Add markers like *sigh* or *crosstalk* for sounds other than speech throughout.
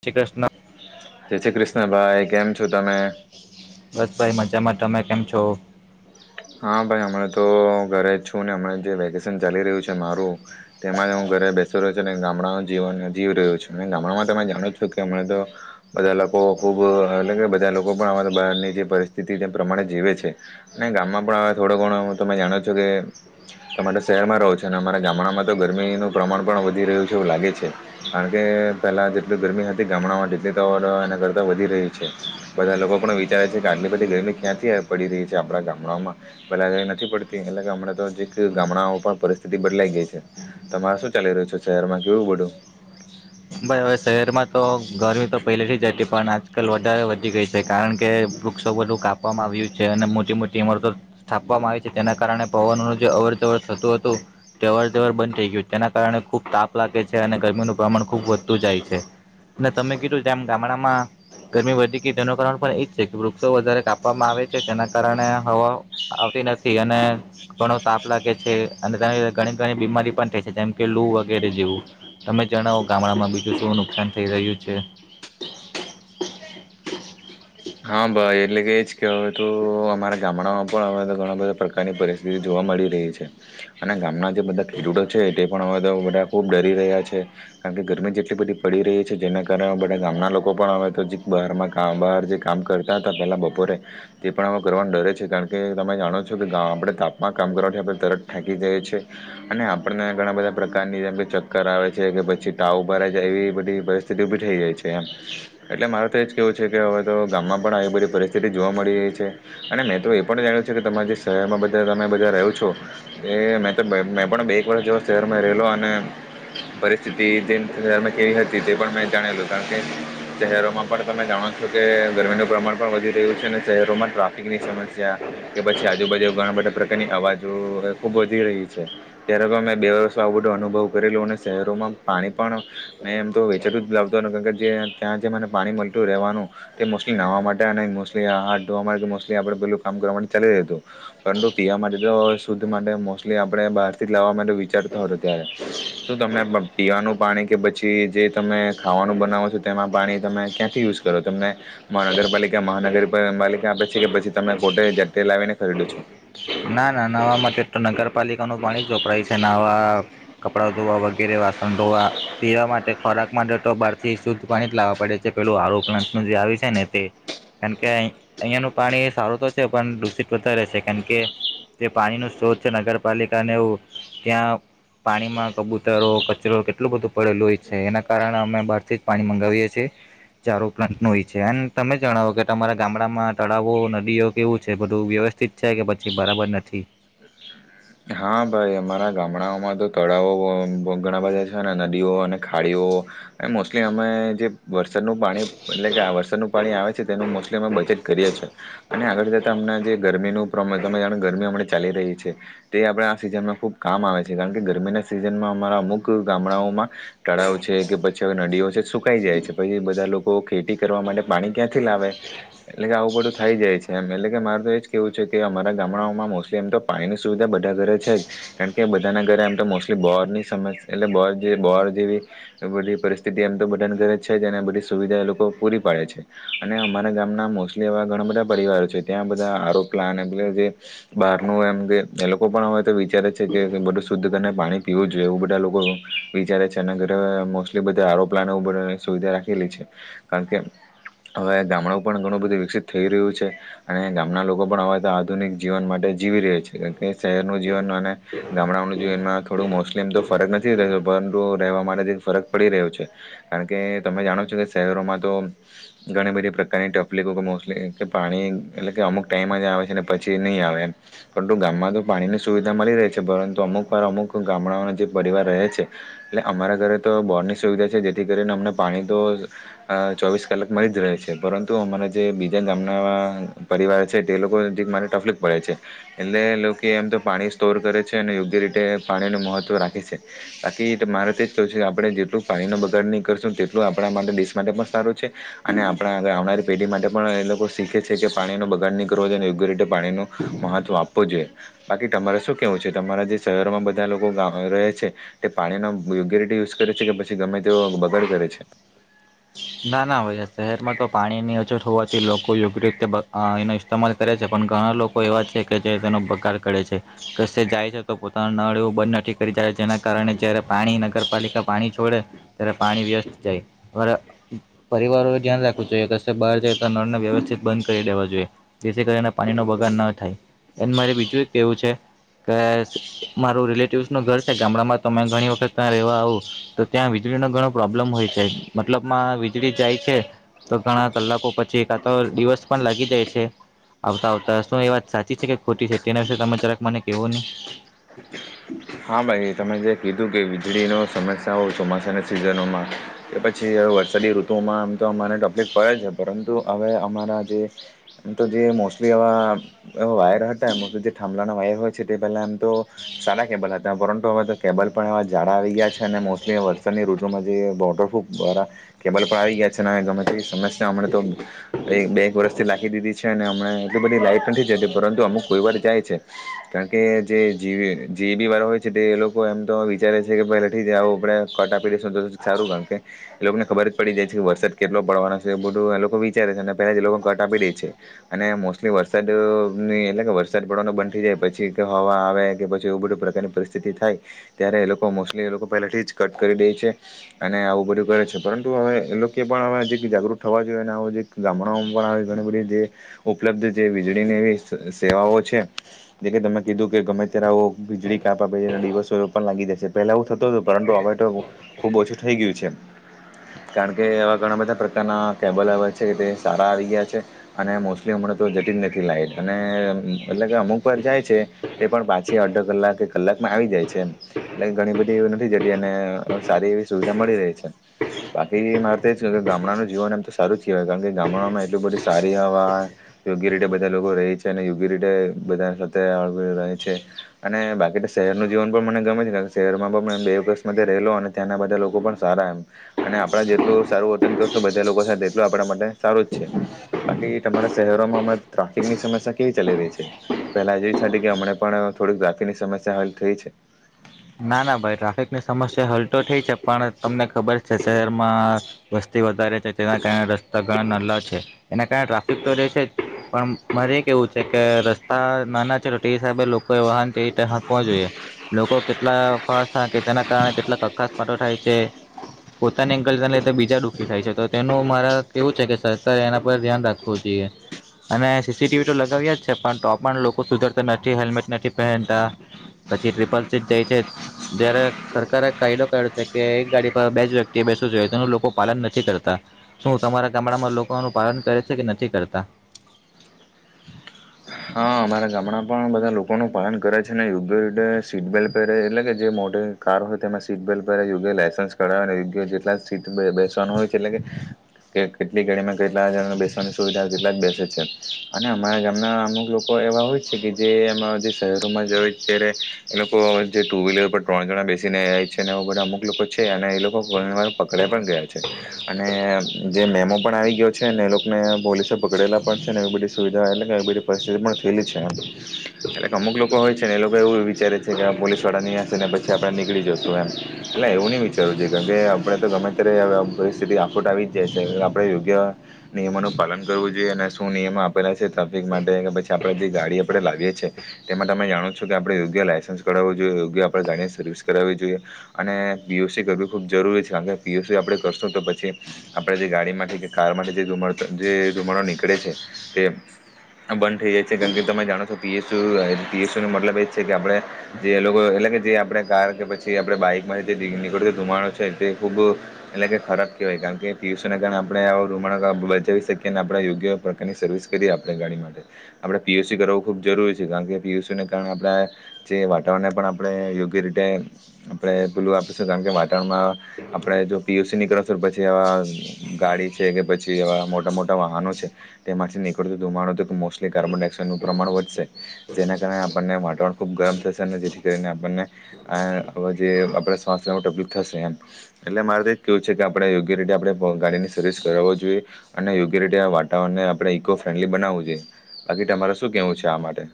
શ્રી કૃષ્ણ ના ભાઈ કેમ છો તમે બસ ભાઈ મજામાં તમે કેમ છો? તો હા ભાઈ હમણાં તો ઘરે જ છું ને હમણાં જે વેકેશન ચાલી રહ્યું છે મારું તેમાં જ હું ઘરે બેસી રહ્યો છું ગામડાનું જીવન જીવી રહ્યો છું અને ગામડામાં તમે જાણો જ છો કે હમણાં તો બધા લોકો ખૂબ એટલે કે બધા લોકો પણ અમારા બહારની જે પરિસ્થિતિ તે પ્રમાણે જીવે છે અને ગામમાં આપણા થોડો ઘણો હું તમે જાણો છો કે તરા શહેરમાં રહો છો અને અમારા ગામડામાં તો ગરમીનું પ્રમાણ પણ વધી રહ્યું છે એવું લાગે છે કારણ કે પહેલાં જેટલ ગરમી હતી ગામડામાં તેટલી તો એના કરતાં વધી રહ્યું છે બધા લોકો પણ વિચારે છે કે આટલી બધી ગરમી ક્યાંથી પડી રહી છે આપણા ગામડાઓમાં પેલા કઈ નથી પડતી એટલે કે હમણાં તો જે ગામડાઓ પણ પરિસ્થિતિ બદલાઈ ગઈ છે તમારે શું ચાલી રહ્યું છે શહેરમાં કેવું બધું ભાઈ હવે શહેરમાં તો ગરમી તો પહેલેથી જતી પણ આજકાલ વધારે વધી ગઈ છે કારણ કે વૃક્ષો બધું કાપવામાં આવ્યું છે અને મોટી મોટી ઇમરતો સ્થાપવામાં આવી છે તેના કારણે પવનોનું જે અવર જવર થતું હતું તે અવર જવર બંધ થઈ ગયું તેના કારણે ખૂબ તાપ લાગે છે અને ગરમીનું પ્રમાણબ ખૂબ વધતું જાય છે અને તમે કીધું જેમ ગામડામાં ગરમી વધી ગઈ તેનું કારણ પણ એજ છે કે વૃક્ષો વધારે કાપવામાં આવે છે તેના કારણે હવા આવતી નથી અને ઘણો તાપ લાગે છે અને તેના લ ઘણી ઘણી બીમારી પણ થાય છે જેમ કે લુ વગેરે જેવું તમે જણાવો ગામડામાં બીજું શું નુકસાન થઈ રહ્યું છે હા ભાઈ એટલે કે એ જ કે હવે તો અમારા ગામડામાં પણ હવે તો ઘણા બધા પ્રકારની પરિસ્થિતિ જોવા મળી રહી છે અને ગામના જે બધા ખેડૂતો છે તે પણ હવે તો બધા ખૂબ ડરી રહ્યા છે કારણ કે ગરમી જેટલી બધી પડી રહી છે જેના કારણે બધા ગામના લોકો પણ હવે તો બહારમાં ક બહાર જે કામ કરતા હતા પહેલાં બપોરે તે પણ આ કરવાનું ડરે છે કારણ કે તમે જાણો છો કે ગ આપણે તાપમાં કામ કરવાથી આપણે તરત થાકી જઈએ છીએ અને આપણને ઘણા બધા પ્રકારની જેમ કે ચક્કર આવે છે કે પછી ટાવભરા જાય એવી બધી પરિસ્થિતિ ઊભી થઈ જાય છે એમ એટલે મારે તો એ જ કેહેવું છે કે હવે તો ગામમાં પણ આવી બધી પરિસ્થિતિ જોવા મળી રહી છે અને મેં તો એ પણ જાણ્યું છેું કે તમારા જે શહેરમાં બધા તમે બધા રહો છો એ મેં તો મેં પણ બે એક વરષ જો શહેરમાં રહેલો અને પરિસ્થિતિ જે શહેરમાં કેવી હતી તે પણ મેં જાણેલું કારણ કે શહેરોમાં પણ તમે જાણો છો તે ગરમીનું પ્રમાણ પણ વધી રહ્યું છે અને શહેરોમાં ટ્રાફિકની સમસ્યા કે પછી આજુબાજુ ઘણા બધા પ્રકારની અવાજો એ ખૂબ વધી રહી છે ત્યારે પણ મેં બે વર્ષ આવું બધું અનુભવ કરેલું અને શહેરોમાં પાણી પણ મેં એમ તો વેચેતું જ લાવતો નથી કારણ કે જે ત્યાં જે મને પાણી મળતું રહેવાનું તે મોસ્ટલી નાહવા માટે અને મોસ્ટલી હાથ ધોવા માટે કે મોસ્ટલી આપણે પેલું કામ કરવા માટે ચાલી જ્યું હતું પરંતુ પીવા માટે તો શુદ્ધ માટે મોસ્ટલી આપણે બહારથી જ લાવવા માટે વિચારતો હતો ત્યારે શું તમને પીવાનું પાણી કે પછી જે તમે ખાવાનું બનાવો છો તેમાં પાણી તમે ક્યાંથી યુઝ કરો તમને મહા નગરપાલિકા મહાનગર પાલિકા આપે છે કે પછી તમે પોતે જતે લાવીને ખરીદો છો ના ના નવા માટેટ તો નગર પાલિકાનું પાણી વપરાય છે નાહવા કપડા ધોવા વગેરે વાસણ ધોવા પીવા માટે ખોરાક મદદ તોબહારથી શુદ્ધ પાણી જ લાવવા પડે છે પેલું હારુ પ્લાન્ટ ન જે આવી છે ને તે કારણ કે અહિયાંનું પાણી સારું તો છે પણ દૂષિત વધારે છે કારણ કે જે પાણી નું સ્ોત છે નગરપાલિકાને એવું ત્યાં પાણીમાં કબૂતરો કચરો કેટલું બધું પડેલું હોય છે એના કારણે અમે બહારથી જ એપ પાણી મગાવીએ છીએ ચારો પ્લાન્ટ ન હોય છે અને તમે જણાવો કે તમારા ગામડામાં તળાવો નદીઓ કેવું છે બધું વ્યવસ્થિત છે કે પછી બરાબર નથી હા ભાઈ અમારા ગામડાઓમાં તો તળાવો ઘણા બધા છે ને નદીઓ અને ખાડીઓ અને મોસ્ટલી અમે જે વરસાદનું પાણી એટલે કે વરસાદનું પાણી આવે છે તેનું મોસ્ટલી અમે બચેત કરીએ છીએ અને આગળ જતાં હમં જે ગરમીનું અમે જાણે ગરમી અમં ચાલી રહી છે તે આપણે આ સિઝનમાં ખૂબ કામ આવે છે કારણ કે ગરમીના સિઝનમાં અમારા અમુક ગામડાઓમાં તળાવ છે કે પછી હવે નદીઓ છે સુકાઈ જાય છે પછી બધા લોકો ખેતી કરવા માટે પાણી ક્યાંથી લાવે એટલે કે આવું બધું થઈ જાય છે એમ એટલે કે મારે તો એ જ કેહેવું છે કે અમારા ગામડાઓમાં મોસ્ટલી એમ તો પાણીની સુવિધા બ બધા ઘરે છે જ કારણ કે બધાના ઘરે એમ તો મોસ્ટલી બોહરની સમસ્યા એટલે બ બોર જેવી બધી પરિસ્થિતિ એમ તો બધાના ઘરે છે જ અને બધી સુવિધા એ લોકો પૂરી પાડે છે અને અમારા ગામના મોસ્ટલી એવા ઘણા બધા પરિવારો છે ત્યાં બધા આરો પ્લાન એટલે જે બહારનું એમ કે લોકો લોકો પણ હવે તો વિચારે છે કે બધું શુદ્ધ કરીને પાણી પીવું જોઈએ એવું બધા લોકો વિચારે છે અને ઘરે મોસ્ટલી બધા આરોપ્લાન એવું બધ સુવિધા રાખેલી છે કારણ કે હવે ગામડું પણ ઘણું બધું વિકસિત થઈ રહ્યું છે અને ગામના લોકો પણ હવે તો આધુનિક જીવન માટે જીવી રહે છે એ શહેરનું જીવનમાં અને ગામડાઓનું જીવનમાં થોડું મોસ્ટલી એમ તો ફરક નથી રહેતો પરંતુ રહેવા માટેથી ફરક પડી રહ્યો છે કારણ કે તમે જાણો છો કે શહેરોમાં તો ઘણી બધી પ્રકારની ટકલીિકો કે મોસ્ટલી કે પાણી એટલે કે અમુક ટાઈમ જ આવે છે ને પછી નહીં આવે એમ પરંતુ ગામમાં તો પાણીની સુવિધા મળી રહે છે પરંતુ અમુક વાર અમુક ગામડાઓના જે પરિવાર રહે છે એટલે અમારા ઘરે તો બોરની સુવિધા છે જેથી કરીને અમને પાણી તો ચોવીસ કલાક મળી જ રહે છે પરંતુ અમારા જે બીજા ગામડા પરિવાર છે તે લોકોજી મારે ટફલીક પડે છે એટલે લોકો કે એમ તો પાણી સ્ટોર કરે છે અને યોગ્ય રીતે પાણીનું મહત્વ રાખે છે બાકી મારે તે જ ક છે કે આપણે જેટલું પાણીનો બગાડ નહીં કરશું તેટલું આપણા માટે દિેશ માટે પણ સારું છે અને આપણા આળ આવનારી પેઢી માટે પણ એ લોકો શીખે છે કે પાણીનો બગાડ નહીં કરવો જોઈએ અને યોગ્ય રીતે પાણીનું મહત્વ આપવો જોઈએ બાકી તમારે શું કેવું છે તમારા જે શહેરોમાં બધા લોકો રહે છે તે પાણીનો યોગ્ય રીતે યુઝ કરે છે કે પછી ગમે તેઓ બગડ કરે છે ના નાવે શહેરમાં તો પાણીની અછત હોવાથી લોકો યોગ્ય રીતે એનો ઇસ્માલ કરે છે પણ ઘણા લોકો એવા છે કે જે તેનો બગાડ કરે છે કસે જાય છે તો પોતાના નળ એવું બંધ નથી કરી જાય જેના કારણે જયારે પાણી નગરપાલિકા પાણી છોડે ત્યારે પાણી વ્યસ્ત જાય પરિવારો ધ્યાન રાખવું જોઈએ કે કશે બહાર જાય તો નળને વ્યવસ્થિત બંધ કરી દેવા જોઈએ જેથી કરીને પાણીનો બગાડ ન થાય એને મારે બીજું એક કેવું છે કે મારું રિલેટિવસ નું ઘર છે ગામડામાં તોમે ઘણી વખત ત્યાં રહેવા આવ તો ત્યાં વીજળીનોો ઘણો પ્રોબ્લમ હોય છે મતલબ માં વીજળી જાય છે તો ઘણા કલાકો પછી એક આ તો દિવસ પણ લાગી જાય છે આવતા આવતા શું એ વાત સાચી છે કે ખોટી છે, તેના વિશે ત જરાક મને કેવો ની હા, ભાઈ તમે જે કીધું કે વીજળીનો સમસ્યા હો ચોમાસાના સિઝનોમાં કે પછી હવે વરસાદી ઋતુઓમાં આમ તો અમાને તપલીક પડે છે પરંતુ અવે અમારા જે આમ તો જે મોસ્ટલી આવા એવા વાયર હટે એમાં જે થાંબલાના વાયર હોય છે ટે પેલ્લે એમ તો સાળા કેબલ હતા પરંટુ હવે તો કેબલ પણ એવા જાડા આવી ગયા છે અને મોસ્ટલી વરસાદની ઋતુમાં જે વોટરપ્રૂફ વારા કેબલ પણ આવી ગયા છેને હવે ગમે તેવી સમસ્યા અમણે તો એક બે એક વર્ષથી લાખી દીધી છે અને અમણે એટલી બધી લાઈટ નથી જતી પરંતુ અમુક કોઈ વાર જાય છે કાણ કે જે જીવે જે બી વાર હોય છે તે એ લોકો એમ તો વિચારે છે કે પેલેથી જ આવું આપણે કટ આપી દઈશું તો સારું કાણ કે એ લોકોને ખબર જ પડી જાય છે વરસાદ કેટલો પડવાનો છે એવુ બધું એ લોકો વિચારે છે અને પેલે જ એ લોકો કટ આપી દેય છે અને મોસ્ટલી વરસાદ ની એટલે કે વરસાદ પડવાનો બંધ થઈ જાય પછી કે હવા આવે કે પ જેવુ બધુ પ્રકારની પરિસ્થિતિ થાય ત્યારે એ લોકો મોસ્ટલી એ લોકો પેલેથી જ કટ કરી દેય છે અને આવું બધું કરે છે પરંતુ હવે એ લોકે પણ અવે જેથી જાગૃત થવા જોઈએ અને આવ જે ગામડાઓમાં પણ ઘણી બધી જે ઉપલબ્ધ જે વીજળીની એવી સ સેવાઓ છે જે કે તમે કીધું કે ગમે ત્યારે આવો વીજળી કાપા પછી એના દિવસો પણ લાગી જાય છે પહેલા એવું થતું હતું પરંટુ અવે ટો બ ખુબ ઓછું થઈ ગયું છે, કાણ કે એવા ઘણા બધા પ્રકારના કેબલ આવે છે તે સારા આવી ગયા છે અને મોસ્ટલી અમણાં તો જતી જ નથી લાઈટ અને મતલબ કે અમુક વાર જાય છે તે પણ પાછી અડધો કલાકે કલાકમાં આવી જાય છે, એટલે ઘણી બધી એવી નથી જતી અને સારી એવી સુવિધા મળી રે છે, બાકી મારે તો એજ ગામડાનું જીવન એમ તો સારું જ કેવાય કાણ કે ગામડામાં એટલું બધી સારી હવા યોગ્ય રીટે બઢા લોકો રેય છે અને યોગ્ય રીટે બધા સાથે *unintelligible* રેય છે અને બાકી તો શહેરનું જીવન પણ મને ગમે છે કાણ કે શહેરમાં પણ મેં બે વસ માટે રેલો અને ત્યાંના બધા લોકો પણ સારા એમ અને આપણા જેટલું સારું વર્તન કરશું બધા લોકો સાથે તેટલું આપણા માટે સારું જ છે, બાકી તમારા શહેરોમાં હમણાં ટ્રાફિકની સમસ્યા કેવી ચાલી રહી છે પેલાં જેવી *unintelligible* કે હમણા પણ થોડીક ટ્રાફિની સમસ્યા હાલ થઈ છે ના, ના ભાઈ ટ્રાફિકની સમસ્યા હલ તો થઈ છે પણ તમને ખબર છે શહેરમાં વસ્તી વધારે છે, તેના કારણે રસ્તા ઘણા નાલ્લા છે, એના કારણે ટ્રાફિક તો રે છે જ પણ મારે એ કેવું છે કે રસ્તા નાના છે ટો તે હિસાબે લોકોએ વાહન ટે ઈતે હાંકવો જોઈએ લોકો કે અ ભાસ હાંકે તેના કારણે કેટલાક અકસ્માતો થાય છે, પોતાની ગલજન લીધે બીજા દુઃખી થાય છે, તો તેનું મારે કેવું છે કે સરકારે એના પર ધ્યાન રાખવું જુઈએ અને સી સી ટી વી તો લગાવ્યા જ છે, પણ તો પણ લોકો સુધરતા નથી, હેલ્મેટ નથી પહેનતા, પછી ટ્રીપલ સીટ જાય છે, ત્યારે સરકારે કાયદો કાયઢો છે કે એક ગાડી પર બે જ વ્યક્તિ એ બેસવું જોઈએ, તેનું લોકો પાલન નથી કરતા, શું તમારા ગામડામાં લોકો આનું પાલન કરે છે કે નથી કરતાં? હા અમારા ગામડા પણ બધા લોકોનું પાલન કરે છે ને યોગ્ય રીતે સીટ બેલ્ટ પહેરે એટલે કે જે મોટી કાર હોય તેમાં સીટ બેલ્ટ પહેરે, યોગ્ય લાયસન્સ કઢાવે, યોગ્ય જેટલા સીટ બે બેસવાનું હોય છે એટલે કે કે કેટલી ગાડીમાં કેટલા જણાને બેસવાની સુવિધા તેટલા જ બેસે છે અને અમારા ગામના અમુક લોકો એવા હોય છે કે જે એમાં જે શહેરોમાં જે હોય ત્યારે એ લોકો જે ટુવીલર પર ત્રણ જણા બેસીને *unintelligible* છે અને એવુ બધા અમુક લોકો છે અને એ લોકો ઘણી વાર પકડાઈ પણ ગયા છે અને જે મેમો પણ આવી ગયો છે ને એ લોકને પોલીસે પકડેલા પણ છે ને એવી બધી સુવિધા એટલે કે એવી બધી પરિસ્થિતી પણ થેલી છે એમ એટલે કે અમુક લોકો હોય છે ને એ લોકો એવું વિચારે છે કે આ પોલીસ વાળા ની હશે ને પછી આપણે નીકળી જશું એમ એટલે એવું ની વિચારવુ જોઈએ કેમ કે આપણે તો ગમે ત્યારે અવે આમ પરિસ્થિતિ આફૂટ આવી જ જાય છે અવે આપણે યોગ્ય નિયમોનું પાલન કરવું જોઈએ અને શું નિયમો આપેલા છે ટ્રાફિક માટે કે અને પછી આપણે જે ગાડી આપણે લાવીએ છે તે માટે તમે જાણો છો કે આપણે યોગ્ય લાયસન્સ કઢાવવું જોઈએ યોગ્ય આપડે ગાડીની સર્વિસ કરાવવી જોઈએ અને પી યુ સી કરવી ખૂબ જરૂરી છે કાણ કે પી યુ સી આપણે કરશું તો પછી આપણે જે ગાડી માટે કે કાર માટે જે ધુમાડ ત જે ધુમાડો નીકળે છે તે બંઢ ઠેઈ જાય છે, કાણ કે તમે જાણો છો P S U *unintelligible* P S યુનો મતલબ એ જ છે કે આપણે જે એ લોકો એટલે કે જે આપણે કાર કે પછી આપણે બાઈકમાં જે ની નીકળતો ધુમાડો છે તે ખૂબ એટલે કે ખરાબ કેવાય કાણ કે પી યુ સને કારણે આપણે આવો ધુમાડો કે બચાવી શકીએ અને આપણે યોગ્ય પ્રકારની સર્વિસ કરીએ આપડે ગાડીમાં આપણે પી યુ સી કરાવું ખૂબ જરૂરી છે કાણ કે પી યુ સીને કારણે આપણે જે વાતાવરણને પણ આપણે યોગ્ય રીતે આપણે પેલું આપીશું કાણ કે વાતાવરણમાં આપણે જો પી યુ સી ની કરાવશું પછી આવા ગાડી છે કે પછી આવા મોટા મોટા વાહનો છે તેમાંથી નીકળતો ધુમાડો તો મો સ્ટલી કાર્બન ડાયક્સાઇડનું પ્રમાણ વધશે, જેના કારણે આપણને વાતાવરણ ખૂબ ગરમ થશે અને જેથી કરીને આપણને આ જે આપણે સ્વાસ લેવામાં તપલીક થશે એમ એટલે મારે તો એજ કેવું છે કે આપણે યોગ્ય રીતે આપણે ભ ગાડીની સરવિસ કરાવો જોઈએ અને યોગ્ય રીતે આ વાતાવરણને આપણે ઇકો ફ્રેન્ડલી બનાવવું જોઈએ. બાકી ટમારે શું કેવું છે આ માટે?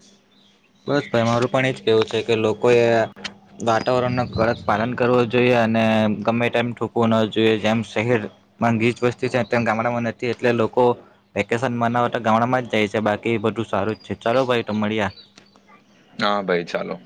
બસ અમારું પણ એજ કેવું છે કે લોકોએ વાતાવરણને કડક પાલન કરવું જોઈએ અને ગમે ટેમ થુકવો ન જોઈએ જેમ શહેરમાં ગીજ વસ્તી છે, તેમ ગામડામાં નથી એટલે લોકો વેકેશન મનાવવા તો ગામડામાં જાય છે બાકી બધું સારું જ છે ચાલો ભાઈ તો મળ્યા. હા ભાઈ ચાલો.